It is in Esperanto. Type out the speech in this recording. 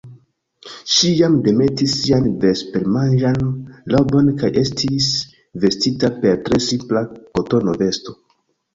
Ŝi jam demetis sian vespermanĝan robon kaj estis vestita per tre simpla kotona vesto.